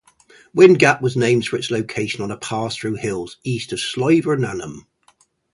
Windgap was named for its location on a pass through hills east of Slievenamon.